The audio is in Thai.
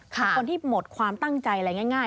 เป็นคนที่หมดความตั้งใจอะไรง่าย